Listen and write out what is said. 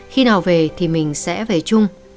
khi nào về thì mình sẽ về chung